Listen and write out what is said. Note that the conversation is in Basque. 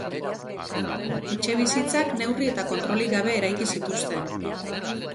Etxebizitzak neurri eta kontrolik gabe eraiki zituzten.